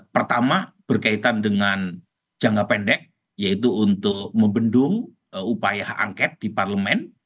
pertama berkaitan dengan jangka pendek yaitu untuk membendung upaya angket di parlemen